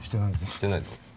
してないの？